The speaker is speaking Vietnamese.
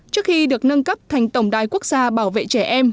trước khi được nâng cấp thành tổng đài quốc gia bảo vệ trẻ em